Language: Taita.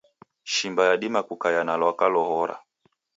Shimba yadima kukaia na lwaka lohora.